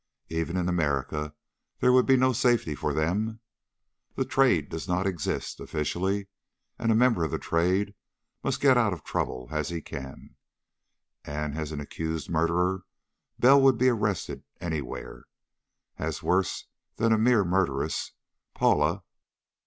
Even in America there would be no safety for them. The Trade does not exist, officially, and a member of the Trade must get out of trouble as he can. As an accused murderer, Bell would be arrested anywhere. As worse than a mere murderess, Paula....